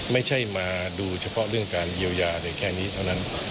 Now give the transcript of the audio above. ไม่ใช่มาดูเฉพาะเรื่องการเยียวยาได้แค่นี้เท่านั้น